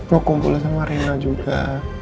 lu kumpul sama rena juga